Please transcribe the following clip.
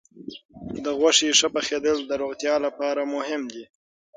د غوښې ښه پخېدل د روغتیا لپاره مهم دي.